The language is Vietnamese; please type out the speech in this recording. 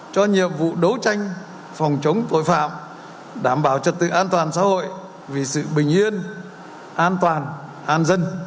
cho nhiệm vụ đấu tranh phòng chống tội phạm đảm bảo trật tự an toàn xã hội vì sự bình yên an toàn an dân